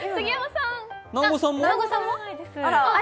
南波さんも？